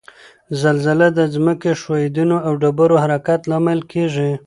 زلزله د ځمک ښویدو او ډبرو حرکت لامل کیږي